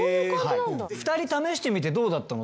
２人試してみてどうだったの？